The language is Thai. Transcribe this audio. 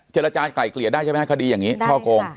เจรจาไข่เกลียดได้ใช่ปะคะดิอย่างนี้ช่อโกง